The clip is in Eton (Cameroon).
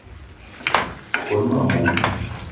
Kone ma mbomo.